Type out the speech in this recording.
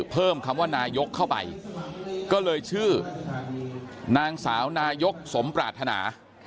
คำว่านายกเข้าไปก็เลยชื่อนางสาวนายกสมปรารถนา